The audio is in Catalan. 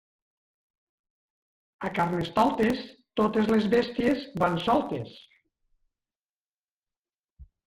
A Carnestoltes totes les bèsties van soltes.